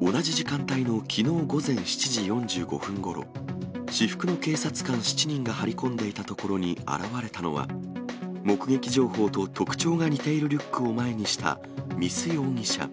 同じ時間帯のきのう午前７時４５分ごろ、私服の警察官７人が張り込んでいたところに現れたのは、目撃情報と特徴が似ているリュックを前にした見須容疑者。